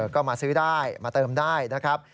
ก็มาซื้อได้มาเติมได้นะครับ